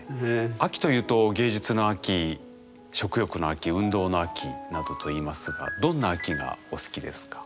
秋というと芸術の秋食欲の秋運動の秋などといいますがどんな秋がお好きですか？